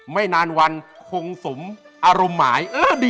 ไม่นานวันคงสมอะอร่มหมาย